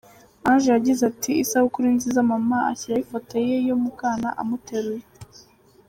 Ange yagize ati “Isabukuru nziza mama” ashyiraho ifoto ye yo mu bwana amuteruye.